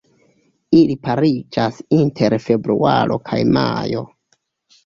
Ili pariĝas inter februaro kaj majo.